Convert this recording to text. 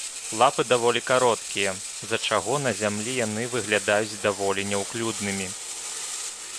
Лапы даволі кароткія, з-за чаго на зямлі яны выглядаюць даволі няўклюднымі.